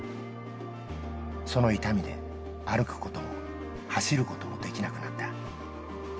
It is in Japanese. その痛みで、歩くことも走ることもできなくなった。